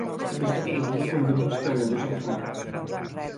Aquesta clausura condemna els treballadors a l'atur.